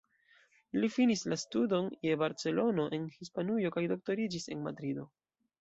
Li finis la studon je Barcelono en Hispanujo kaj doktoriĝis en Madrido.